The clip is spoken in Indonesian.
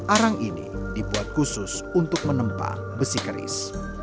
arang ini dibuat khusus untuk menempa besi keris